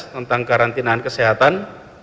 tentang karantinaan kesehatan